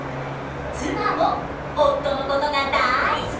妻も夫のことがだい好き！